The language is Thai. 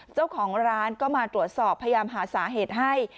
เจ้าของร้านก็มาตรวจสอบพยายามหาสาเหตุให้